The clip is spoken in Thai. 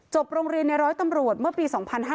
โรงเรียนในร้อยตำรวจเมื่อปี๒๕๕๙